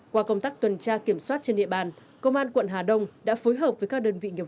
qua công tác tuần tra kiểm soát trên địa bàn công an quận hà đông đã phối hợp